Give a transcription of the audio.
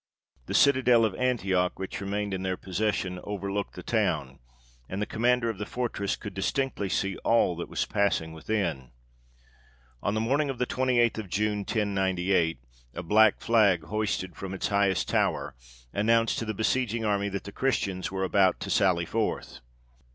The citadel of Antioch, which remained in their possession, overlooked the town, and the commander of the fortress could distinctly see all that was passing within. On the morning of the 28th of June, 1098, a black flag, hoisted from its highest tower, announced to the besieging army that the Christians were about to sally forth.